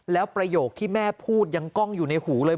แล้วประโยคที่แม่พูดยังกล้องอยู่ในหูเลย